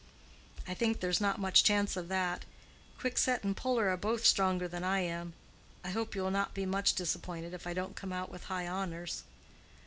"I think there's not much chance of that. Quicksett and Puller are both stronger than I am. I hope you will not be much disappointed if I don't come out with high honors."